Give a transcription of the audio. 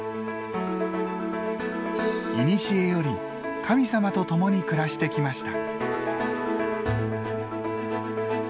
古より神様と共に暮らしてきました。